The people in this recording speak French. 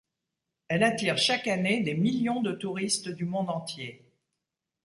Elle attire chaque année des millions de touristes du monde entier.